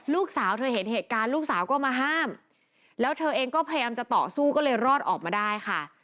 ลูกสาวเธอเห็นเหตุการณ์ลูกสาวก็มาห้ามแล้วเธอเองก็พยายามจะต่อสู้ก็เลยรอดออกมาได้ค่ะ